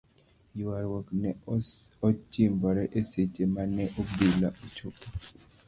Yuaruok ne ojimbore e seche mane obila ochopo.